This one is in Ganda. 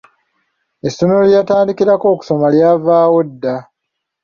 Essomero lye yatandikirako okusoma lyavaawo dda.